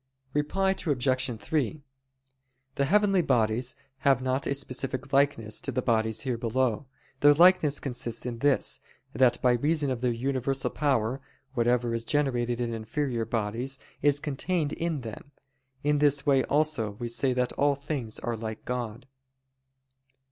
Reply Obj. 3: The heavenly bodies have not a specific likeness to the bodies here below. Their likeness consists in this, that by reason of their universal power, whatever is generated in inferior bodies, is contained in them. In this way also we say that all things are like God.